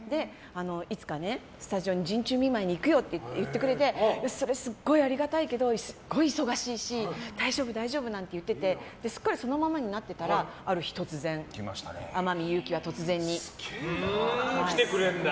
いつかスタジオに陣中見舞に行くよって言ってくれてそれ、すごいありがたいけどすっごい忙しいし大丈夫なんて言っててすっかりそのままになってたらある日突然天海祐希は突然に。来てくれるんだ。